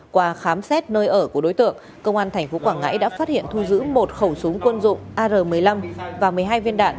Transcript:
qua khám xét nơi ở của đối tượng công an tp quảng ngãi đã phát hiện thu giữ một khẩu súng quân dụng ar một mươi năm và một mươi hai viên đạn